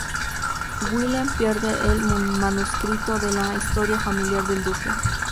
Wilhelm pierde el manuscrito de la historia familiar del Duque.